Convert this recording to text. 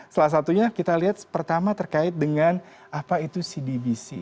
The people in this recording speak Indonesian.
salah satunya kita lihat pertama terkait dengan apa itu cdbc